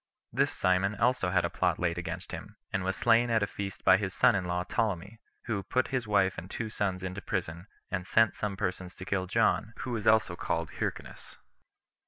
This Simon also had a plot laid against him, and was slain at a feast by his son in law Ptolemy, who put his wife and two sons into prison, and sent some persons to kill John, who was also called Hyrcanus.